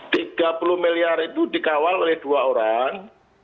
rp tiga puluh miliar itu dikawal oleh dua orang